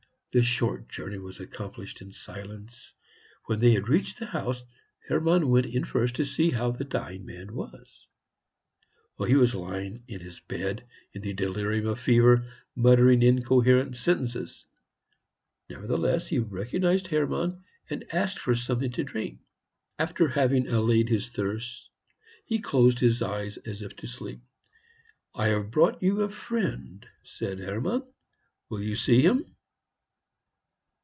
The short journey was accomplished in silence. When they reached the house, Hermann went in first to see how the dying man was. He was lying in his bed, in the delirium of fever, muttering incoherent sentences. Nevertheless he recognized Hermann, and asked for something to drink. After having allayed his thirst, he closed his eyes, as if to sleep. "I have brought you a friend," said Hermann; "will you see him?"